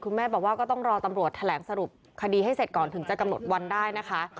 แม่บอกว่าก็ต้องรอตำรวจแถลงสรุปคดีให้เสร็จก่อนถึงจะกำหนดวันได้นะคะ